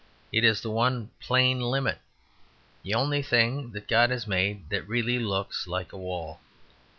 It is the one plain limit; the only thing that God has made that really looks like a wall.